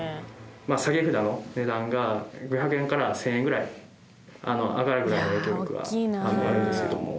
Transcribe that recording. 下げ札の値段が５００円から１０００円ぐらい上がるぐらいの影響力はあるんですけども。